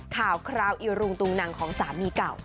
ข่าวคราวอีรุงตุงนังของสามีเก่า